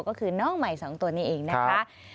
ก็คือน้องใหม่๒ตัวนี้เองนะคะ